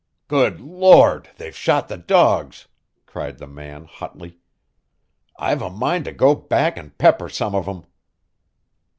"Good Lord! they've shot the dogs," cried the man hotly. "I've a mind to go back and pepper some of 'em."